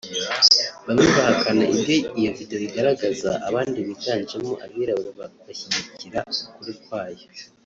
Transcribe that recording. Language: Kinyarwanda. bamwe bahakana ibyo iyi videwo igaragaza abandi biganjemo abirabura bashyigikira ukuri kwayo